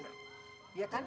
tadi ya bang